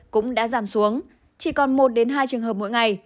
cũng đã giảm xuống chỉ còn một hai trường hợp mỗi ngày